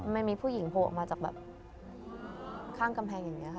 ไม่มีผู้หญิงโผล่ออกมาจากแบบข้างกำแพงอย่างนี้ค่ะ